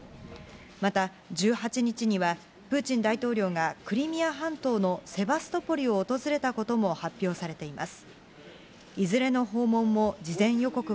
また、１８日には、プーチン大統領がクリミア半島のセバストポリを訪れたことも発表されています。